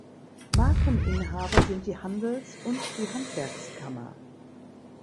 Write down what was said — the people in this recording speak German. Markeninhaber sind die Handels- und die Handwerkskammer.